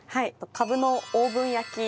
カブのオーブン焼きを。